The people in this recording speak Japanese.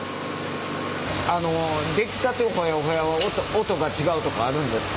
出来たてホヤホヤは音が違うとかあるんですか？